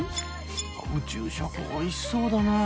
宇宙食おいしそうだな。